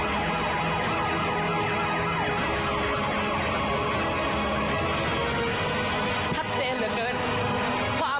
ของท่านได้เสด็จเข้ามาอยู่ในความทรงจำของคน๖๗๐ล้านคนค่ะทุกท่าน